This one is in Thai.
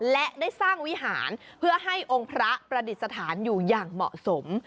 และได้สร้างวิหารเพื่อให้องค์พระประดิษฐานอยู่อย่างเหมาะสม